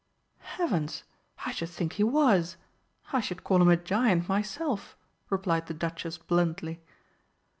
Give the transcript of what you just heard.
"Heavens! I should think he was! I should call him a giant myself," replied the Duchess bluntly.